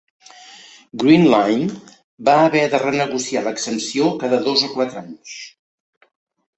Greene Line va haver de renegociar l'exempció cada dos o quatre anys.